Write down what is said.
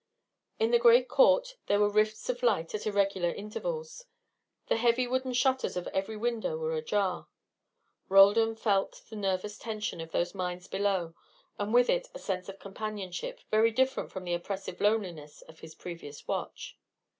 In the great court there were rifts of light at irregular intervals; the heavy wooden shutters of every window were ajar. Roldan felt the nervous tension of those minds below, and with it a sense of companionship, very different from the oppressive loneliness of his previous watch.